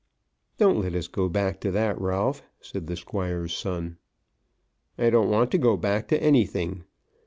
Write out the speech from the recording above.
"Don't let us go back to that, Ralph," said the Squire's son. "I don't want to go back to anything.